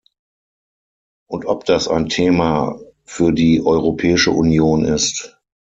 Und ob das ein Thema für die Europäische Union ist!